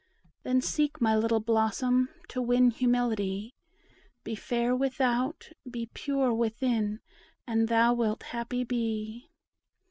Then seek, my little blossom, to win humility; Be fair without, be pure within, and thou wilt happy be.